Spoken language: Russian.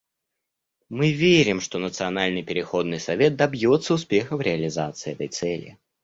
Мы верим, что Национальный переходный совет добьется успеха в реализации этой цели.